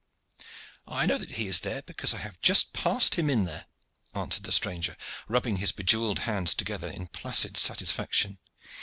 "I know that he is there because I have just passed him in there," answered the stranger, rubbing his bejewelled hands together in placid satisfaction.